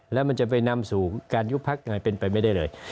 แล้วมันจะไปนำสู่การยุบพักไงเป็นไปไม่ได้เลย